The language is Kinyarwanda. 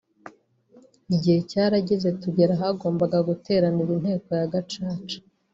Igihe cyarageze tugera ahagombaga guteranira inteko ya Gacaca